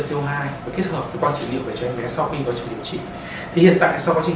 co hai và kết hợp với quan trị liệu về cho em bé sau khi vào trường điều trị thì hiện tại sau quá trình